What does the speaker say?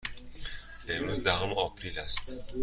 امروز دهم آپریل است.